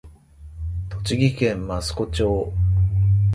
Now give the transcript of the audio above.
栃木県益子町